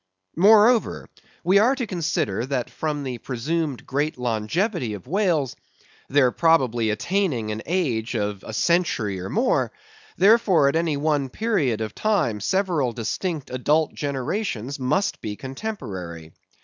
Moreover: we are to consider, that from the presumed great longevity of whales, their probably attaining the age of a century and more, therefore at any one period of time, several distinct adult generations must be contemporary.